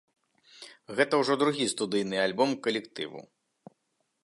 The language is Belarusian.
Гэта ўжо другі студыйны альбом калектыву.